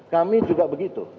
kami juga begitu